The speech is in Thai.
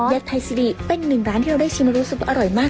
ไทยซิริเป็นหนึ่งร้านที่เราได้ชิมแล้วรู้สึกว่าอร่อยมาก